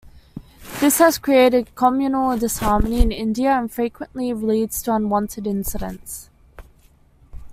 This has created communal disharmony in India and frequently leads to unwanted incidents.